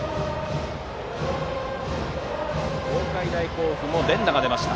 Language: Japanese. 東海大甲府も連打が出ました。